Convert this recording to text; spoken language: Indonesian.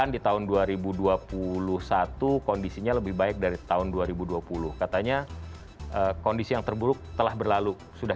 di tahun dua ribu dua puluh satu kondisinya lebih baik dari tahun dua ribu dua puluh katanya kondisi yang terburuk telah berlalu sudah